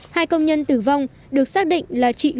hai công nhân tử vong được xác định là chị